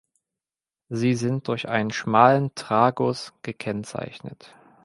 Sie sind durch einen schmalen Tragus gekennzeichnet.